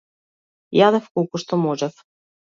Јадев колку што можев.